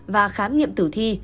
và khám nghiệm tử thi